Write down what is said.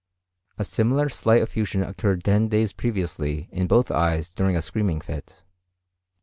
A similar slight effusion occurred ten days previously in both eyes during a screaming fit.